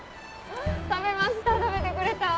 食べました食べてくれた。